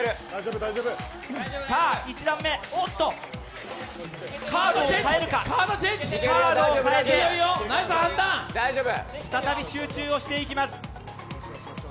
１段目、おっと、カードをかえて再び集中をしていきます。